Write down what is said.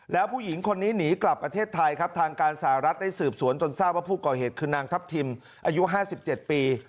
แล้วผู้หญิงคนนี้หนีกลับประเทศไทยครับทางการสหรัฐได้สืบสวนจนทราบว่าผู้ก่อเหตุคือนางทัพทิมอายุ๕๗ปี